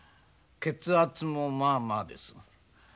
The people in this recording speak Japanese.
血圧もまあまあです。